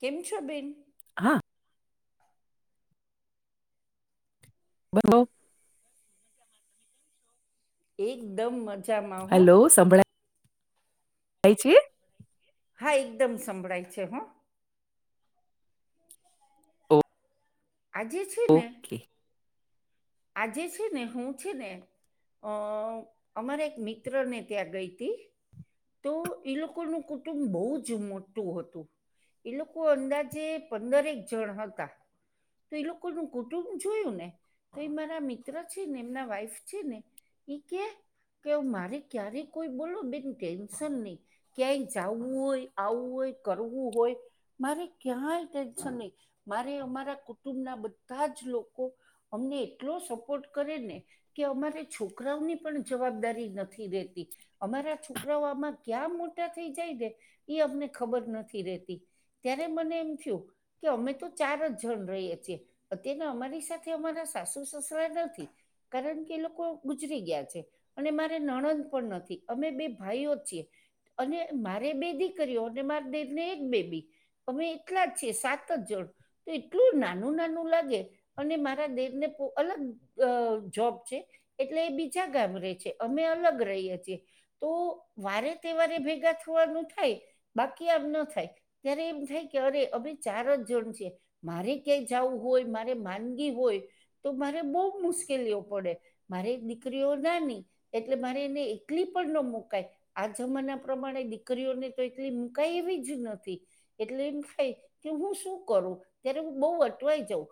કેમ છો બેન? હા. બબો. એકદમ મ હેલો સંભળાય છે હા એકદમ સંંભળાય છે હોં આજે જ ઓકે આજે છે ને હું છે ને અહઃ અમારે એક મિત્ર ને ત્યાં ગઈ તી તો ઈ લોકોનું કુટુંબ બહુ જ મોટું હતું. ઈ લોકો અંદાજે પંદરેક જણ હતા. તો ઈ લોકોનું કુટુંબ જોયું ને. તો એ મારા મિત્ર છે ને એમના વાઈફ છે ને ઈ કે કે મારે ક્યારેય કોઈ બોલો બેન ટેન્શન નય. ક્યાંય જાવું હોય આવું હોય કરવું હોય. મારે ક્યાંય ટેન્શન નય મારે અમારા કુટુંબના બધા જ લોકો અમને એટલો સપોર્ટ કરે ને કે અમારે છોકરાઓની પણ જવાબદારી નથી રેતી અમારા છોકરાઓ આમાં ક્યાં મોટા થઈ જાયને ઈ અમને ખબર નથી રતી. ત્યારે મને એમ થયું કે અમે તો ચાર જ જણ રહીએ છીએ અત્ય્યારે અમારી સાથે થી અમારા સાસુ સસુરા નથી કારણ કે એ લોકો ગુજરી ગયા છે. અને મારે નણંદ પણ નથી અમે બે ભાઈઓ જ છીએ. અને મારે બેદી કર્યો અને માર દેર ને એક બેબી અમે એટલા જ છીએ સાત જ જણ તો એટલું નાનું નાનું લાગે અને મારે દેવ ને અલગ અ જોબ છે. એટલે એ બીજા ગામ રે છે અમે અલગ રહીએ છીએ. તો વારે તે વારે ભેગા થવાનું થાય બાકી આમ નો થાય ત્યારે એમ થાય કે અરે અમે ચાર જ જણ છે મારે ક્યાંય જવું હોય મારે માન હોય તો મારે બોવ મુશ્કેલીઓ પડે મારે દીકરીઓ નાની એટલે મારે એને એકલી પણ નો મુકાય. આ જમાના પ્રમાણે દીકરીઓને તો એટલી મુકાય એવી જ નથી. એટલે એમ થાય કે હું શું કરું ત્યારે હું બઉુ અટવાઈ જાઉં.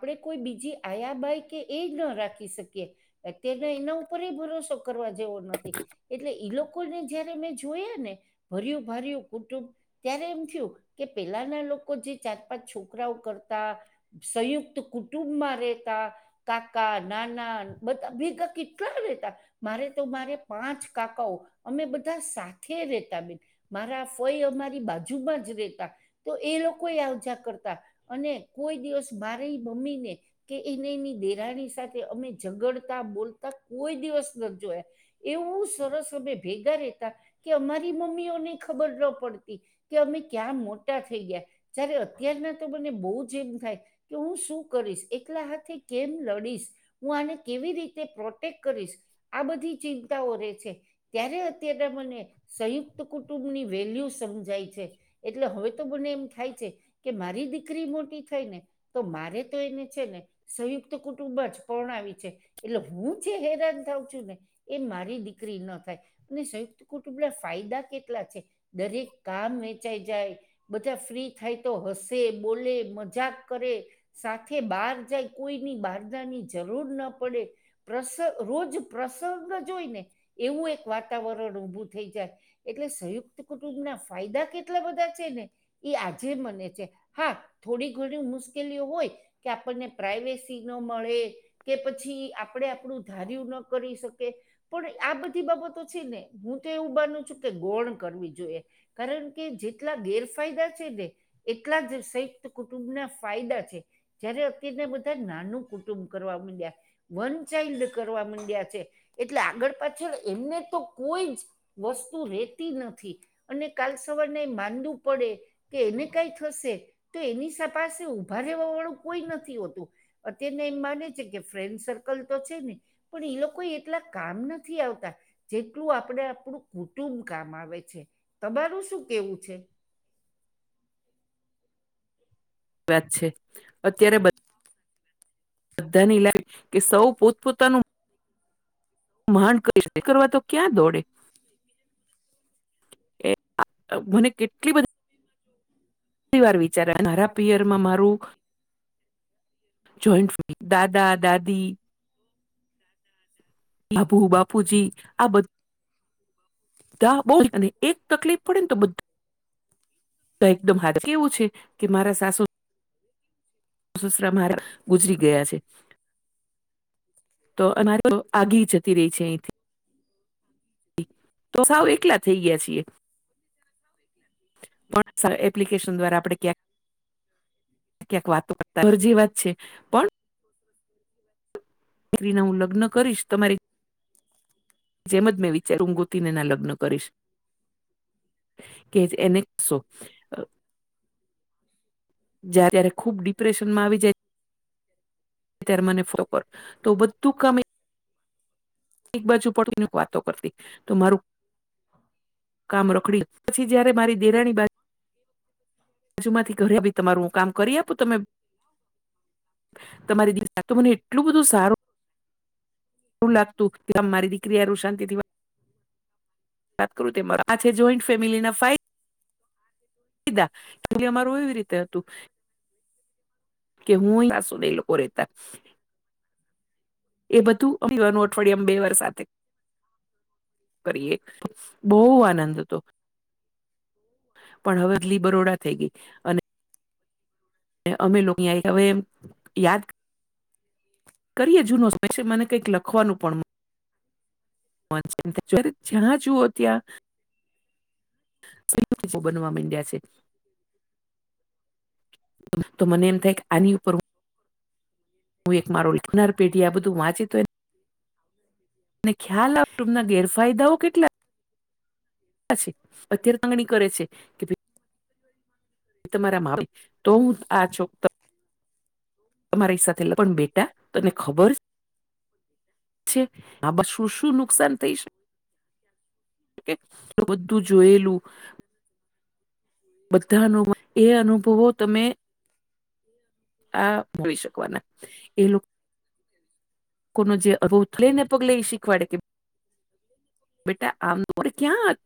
આપણે કોઈ બીજી આયાબાય કે એ ન રાખી શકીએ. અતયાર ના એના ઉપરય ભરોસો કરવા જેવો નથી. એટલે ઈ લોકો ને જયારે મેં જોયા ને ભર્યું ભર્યું કુટુંબ ત્યારે એમ થયું કે પેલાના લોકો જે ચાર પાંચ છોકરાઓ કરતા સંયુક્ત તો કુટુંબમાં રેતા કાકા નાના બધા ભેગા કેટલા રહેતા. મારે તો મારે પાંચ કાકાઓ અમે બધા સાથે રેતા બેન. મારા ફોય અમારી બાજુમાં જ રેતા. તો એ લોકો આવજા કરતા અને કોઈ દિવસ બરે બમીને કે એને એની દેરાણી સાથે અમે ઝગડતા બોલતા કોઈ દિવસ ન જોયા. એવું સરસ અમે ભેગા રહેતા કે અમારી મમ્મીઓને ખબર ન પડતી, કે અમે ક્યાં મોટા થઈ ગયા જયારે અત્યારના તો મને બહુ જ એમ થાય. કે હું શું કરીશ એકલા હાથે કેમ લડીશ. હું આને કેવી રીતે પ્રોટેક્ટ કરીશ આ બધી ચિંતાઓ રે છે. ત્યારે અત્યારે મને સંયુક્ત કુટુંબ ની વેલ્યુ સમજ. જાય છે એટલે હવે તો મને એમ થાય છે કે મારી દીકરી મોટી થાય ને. તો મારે તો એને છે ને સંયુક્ત કુટુંબ જ પરણાવી છે. એટલે હું જે હેરાન થઉં છું ને એ મારી દીકરી ન થાય. અને સંયુક્ત કુટુંબ ના ફાયદા કેટલા છે દરેક કામ વેચાઈ જાય. બધા ફ્રી થાય તો હસે બોલે મજા. કરે સાથે બહાર જાય કોઈની બહારના ની જરૂર ના પડે. પ્રસ રોજ પ્રસન્ન જોઈ ને એવું એક વાતાવરણ ઉઊભું થઈ જાય. એટલે સંયુક્ત કુટુંબના ફાયદા કેટલા બધા છે ને. એ આજે મને છે હા થોડી ઘડી હ મુશ્કેલીઓ હોય કે આપણને પ્રાઈવેસી ન મળે. કે પછી આપણે આપણું ધાર્યું ન કરી શકે. પણ આ બધી બાબતો છે ને હું તો એવું માનું છું કે ગોણ કરવી જોઈએ. કારણ કે જેટલા ગેરફાયદા છે ને એટલા જ સંયુક્ત કુટુંબના. ફાયદા છે જયારે અતને બધા નાનું કુટુંબ કરવા મડ્યા. વન ચાઇલ્ડ કરવા માંડ્યા છે એટલે આગળ પાછળ એમને તો કોઈ જ. વસ્તુ રહેેતી નથી. અને કાલ સવારને માંનવું પડે કે એને કઈ થશે તો એની શપાસ. ઉભા રહેવા વાળું કોઈ નથી હોતું અત્યારને એમ માને છે કે ફ્રેન્ડ સર્કલ તો છે ને. પણ એ લોકો એટલા કામ નથી આવતા. જેટલું આપડે આપણું કુટુંબ કામ આવે છે તમારું શું કેવું છે. વાત છે અત્યારે બધ. બધા ની લાગ કે સૌ પોતપ પોતાનું. મહણ કરી કરવા તો ક્યાં દોડે. મને કેટલી બધી. વાર વિચાર મારા પિયરમાં મારું. જોઈન્ટ ફ દાદા દાદી. આભુ બાપુજી આ બ બધા બો અને એક તકલીફ. પડે ને બધુ. તો એકદમ હા કેવું છે કે મારા સાસુ. સસરા મારા ગુજરી ગયા છે. તો અનારે આગી જતી રહી છે અહીંથી. તો સાવ એકલા થઈ ગયા છીએ. વોટપ એપ્લિકેશન દ્વારા આપણે ક્યાં. ક્યાંક વાતો કરરજી વાત છે પણ. દત્રીને હું લગ્ન કરીશ તમારી. જેમ જ મેં વિચાર ઊગુથીને ના લગ્ન કરીશ. કે એને શો. જય ત્યારે ખુબ ડિપ્રેશનમાં આવી જાય. ત્યારે મને ફો કર તો બધું ગમે. એક બાજુ પણક વાતો કરતી તો મારું. કામ રખડી પછી જયારે મારી દેરાની બાકી. બાજુ માંથી ઘરે બી તમારું હું કામ કરી આપું તમે. તમારી દિવતો મને એટલું બધું સારું. આવું લાગતું ત મારી દીકરી અનુશાર શાંતથી વાત કરું તેરા આ છે જોઈન્ટ ફેમિલી ના ફાઈટ. બધા કે અમારું એવી રીતે હતું. કે હુ હસું ન એ લોકો રતા. એ બધું અઠવાડિયમ બે વરષ સાથે. કરીએ બહુ આનંદ હતો. પણ હવે બદલી બરોડા થઈ ગઈ અને. અમે લોકોં હવે યાદ. કરીએ જૂનો સમય મને કઈક લખવાનું પણ ચિ જ્યાં જુઓ ત્યાં [unintelligible] બનવા માંડ્યા છે [unintelligible] તો મને એમ થાય કે આની ઉપર હું. હું એક મારો લખનાર પેઢી આ બધું વાંચી તો ને અને ખ્યાલ આપટૂબના ગેરફાયદાઓ કેટલા [unintelligible] અત્યારે તંગણી કરે છે કે [inaudible] તમારા માપી તો હું આ છો. તમારી સાથે પણ ડેટા તને ખબર. છે આ શું શું નુકસાન થઈ શ બધું જોયેલું બધા [unintelligible] અનુભ એ અનુભવો તમે હ આ જોઈ શકવાના એ લોકો. કો [unintelligible] જે અવ ને પગલે શીખવાડે કે બેટાઆમ ન હોય આમ ક્યાં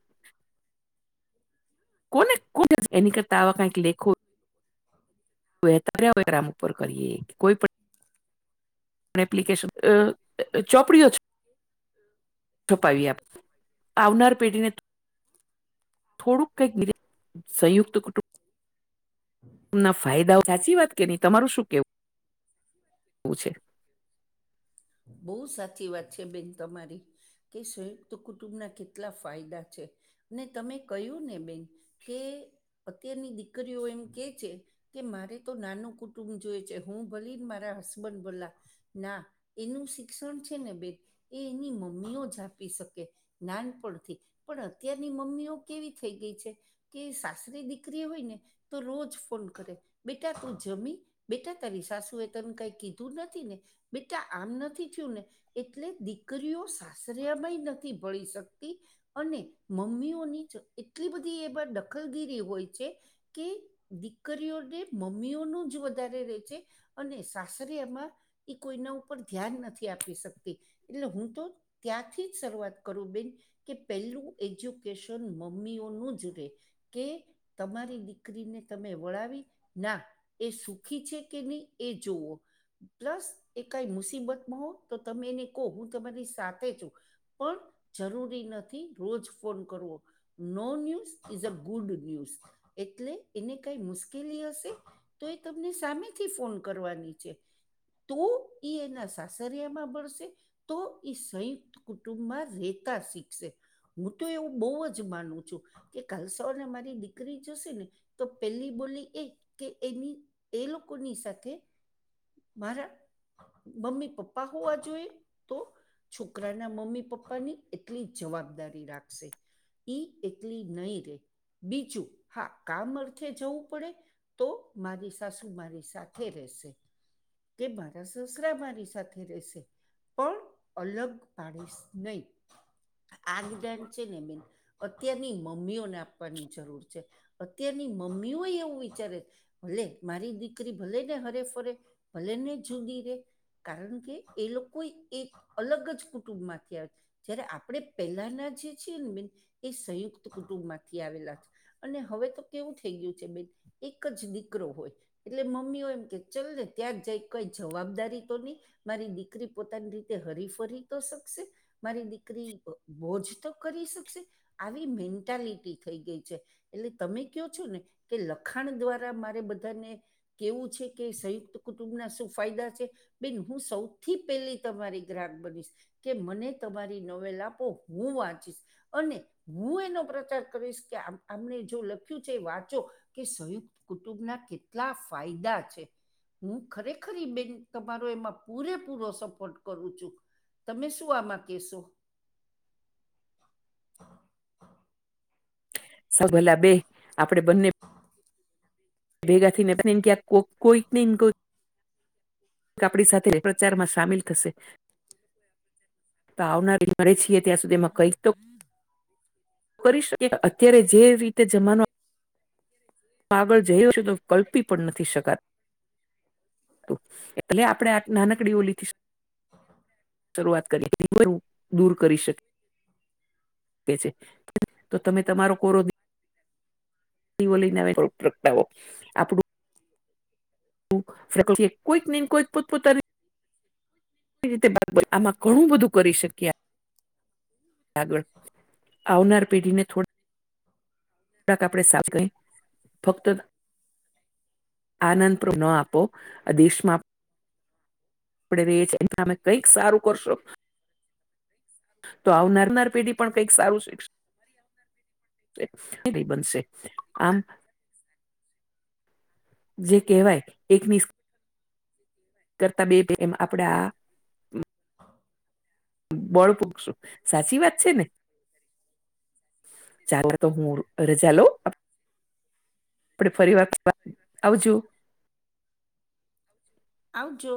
[inaudible] કોને કો એની કરતા આવા કઈક લેખો. ત્યારેવે ગ્રામ ઉપર કરીએ કોઈ પણ એપ્લિકેશન ચોપડીઓ છપાવી આપ આવનાર પેઢીને થોડુંક કઈી [unintelligible] સંયુક્ત કુટુંબ તેમના ફાયદા સાચી વાત કે નહી તમારું શું કેવુ પૂછે બહુ સાચી વાત છે, બેન તમારી કે સંયુક્ત કુટુંબના કેટલા ફાયદા છે ને તમે કહ્યું ને બેન કે અત્યારની દીકરીઓ એમ કે છે. કે મારે તો નાનું કુટુંબ જોય છે હું ભલીને મારા હસબન્ડ ભલા ના એનું શિક્ષણ છે ને બેન એ એની મમ્મીઓ જ આપી શકે નાનપણથી પણ અત્યારની મમ્મીઓ કેવી થઈ ગઈ છે. કે સાસરી દીકરી હોય ને તો રોજ ફોન કરે બેટા તું જમી બેટા તારી સાસુ એ તને કઈ કીધું નથી ને આમ નથી થયું ને એટલે દીકરીઓ સાસરિયામાંય નથી ભળી શકતી અને મમ્મીઓની જ એટલી બધી એમાં દખલગીરી હોય છે. કે દીકરીઓને મમ્મીઓનું જ વધારે રે છે. અને સાસરીમાં એ કોઈ નુ ધ્યાન નથી આપી શકતી એટલે હું તો ત્યાંથી જ શરૂઆત કરું બેન કે પેલું એજ્યુકેશન મમ્મીઓ નું જ રે કે તમારી દીકરીને તમે વળાવી ના એ સુખી છે કે નહી એ જોવો પ્લસ કઈ મુસીબત માં હો તો તમે એને કહો હું તમારી સાથે છુ. પણ જરૂરી નથી રોજ ફોન કરવો no news is a good news એટલે એને કઈ મુશ્કેલી હશે. તો એ તમને સામેથી ફોન કરવાની છે તું એ એના સાસરિયામાં ભળશે તો એ સંયુક્ત કુટુંબમાં રહેતા શીખશે હું તો એવું બહુ જ માનું છુ. કે કાલસો ને મારી દીકરી જોશે ને તો પેલી બોલી એ કે એની એ લોકોની સાથે મારા મમ્મી પપ્પા હોવા જોઈએ તો છોકરાના મમ્મી પપ્પા ની એટલી જવાબદારી રાખશે ઈ એટલી નહી રે બીજું હા કામ અર્થે જવું પડે તો મારી સાસુ મારી સાથે રહેશે. કે મારા સસરા મારી સાથે રહેશે. પણ અલગ પાડીશ નહી. આ વિધાન છે ને બેન અત્યારની મમ્મીઓને આપવાની જરૂર છે. અત્યારની મમ્મીઓ એવું વિચારે ભલે મારી દીકરી ભલે ને હરે ફરે. ભલે ને જુદી રે કારણ કે એ લોકો એક અલગ જ કુટુંબમાંથીયા જય્યારે આપણે પેલાના જે છીએ ને બેન એ સંયુક્ત કુટુંબ માંથી આવેલા છે. અને હવે તો કેવું થઈ ગયું છે બેન એક જ દીકરો હોય એટલે મમ્મીઓ એમ કે ચલ ને ત્યાં જઈ કઈ જવાબદારી તો નહી મારી દીકરી પોતાની રીતે હરીફરી તો શકશે. મારી દીકરી મોજ તો કરી શકશે આવી મેન્ટાલિટી થઈ ગઈ છે એટલે તમે કો છો ને કે લખાણ દ્વારા મારે બધાને કેવું છે કે સંયુક્ત કુટુંબ ના શું ફાયદા છે બેન હું સૌથી પેલી તમારી ગ્રાહક બનીશ. કે મને તમારી નવેલ આપો હું વાંચીશ. અને હું એનો પ્રચાર કરીશ કે આમને જો લખ્યું છે વાંચો. કે સંયુક્ત કુટુંબના કેટલા ફાયદા છે. હું ખરેખર બેન તમારો એમાં પૂરેપૂરો સપોર્ટ કરું છું. તમે શું આમાં કેહેશો. હ [inaudible] સભલા બે આપડે બંને બેગાથી ને કો કોઈક નેન આપણી સાથે પ્રચારમાં સામેલ થશે તો આવનારે છએ ત્યાં સુધી એમાં કઈ તો કરી શ અત્યારે જે રીતે જમાનો આગળ જઈ્યો છે તો કલ્પી પણ નથી શકત એટલે આપણેે નાનકડી ઓલીથી શરૂઆત [inaudible] કરીએ દૂર કરી શકે તો તમે તમારો કોરો ઓલીને [inaudible] પ્રગટાવો આપડું કોઈક કોઈક પોતપોતાની રીતે આમાં ઘણું બધું કરી શકીએ. ગળ આવનાર પેઢી ને થોડી થોડાક આપડે સાફ કરી ફક્ત આનંદ ન આપો આ દેશમાં આપડ રએ છે એ તમે કઈક સારું કરશો. તો આવનારનાર પેઢી પણ કંઈક સારું શિક્ષ ભરી આપ [inaudible] ન બનશે આમ જે કહેવાય એક નિ કરતા બે એમ આપડા [inaudible] બળ પૂખશું સાચી વાત છે ને ચ તો હું રજા લઉ આપડ ફરી વાર આવજો આવ જો